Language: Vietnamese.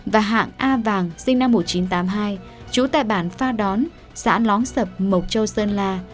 và hạng a vàng sinh năm một nghìn chín trăm tám mươi hai trú tại bản pha đón xã lóng sập mộc châu sơn la